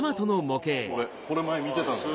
これ前見てたんです。